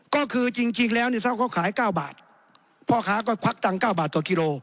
ก็คือจริงแล้วเขาก็ขาย๙บาทพ่อค้าก็ควักตัง๙บาทต่อกิโล